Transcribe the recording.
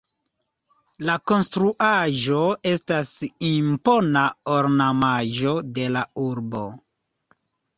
La konstruaĵo estas impona ornamaĵo de la urbo.